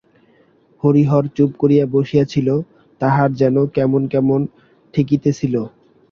হরিহর চুপ করিয়া বসিয়া ছিল, তাহার যেন কেমন কেমন ঠেকিতেছিল।